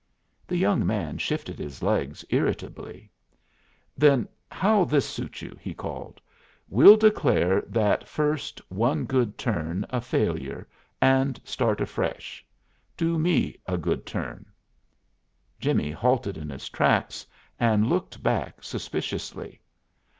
The young man shifted his legs irritably. "Then how'll this suit you?" he called. "We'll declare that first 'one good turn' a failure and start afresh. Do me a good turn." Jimmie halted in his tracks and looked back suspiciously.